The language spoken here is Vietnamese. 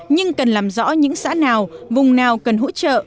nhưng cần làm rõ những xã nào vùng nào cần hỗ trợ